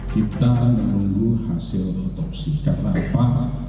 kita menunggu hasil otopsi karena apa